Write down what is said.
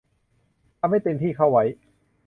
ทำให้เต็มที่เข้าไว้